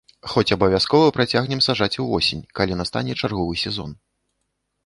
Хоць абавязкова працягнем саджаць увосень, калі настане чарговы сезон.